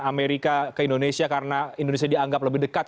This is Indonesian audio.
amerika ke indonesia karena indonesia dianggap lebih dekat